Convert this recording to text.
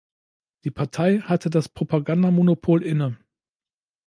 Die Partei hatte das Propaganda-Monopol inne.